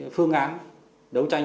phương án đấu tranh